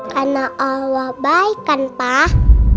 karena allah baikkan pah